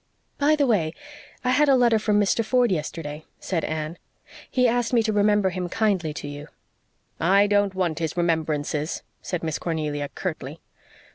"By the way, I had a letter from Mr. Ford yesterday," said Anne. "He asked me to remember him kindly to you." "I don't want his remembrances," said Miss Cornelia, curtly.